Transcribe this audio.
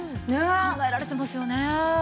考えられてますよね。